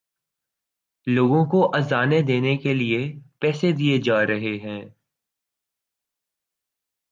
لوگوں کو اذانیں دینے کے لیے پیسے دیے جا رہے ہیں۔